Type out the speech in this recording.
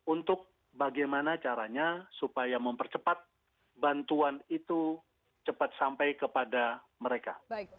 untuk bagaimana caranya supaya mempercepat bantuan itu cepat sampai kepada mereka